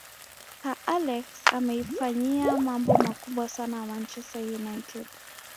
sir alex ameifanyia mambo makubwa sana manchester united